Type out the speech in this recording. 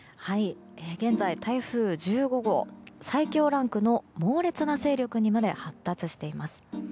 現在、台風１５号最強ランクの猛烈な勢力にまで発達しています。